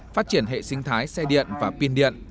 phát triển hệ sinh thái xe điện và pin điện